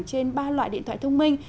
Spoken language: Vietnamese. trên ba loại điện thoại thông minh